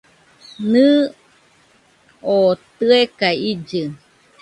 Nɨɨ, oo tɨeka illɨ .